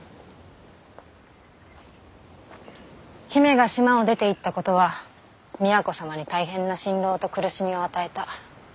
姫が島を出ていったことは都様に大変な心労と苦しみを与えた。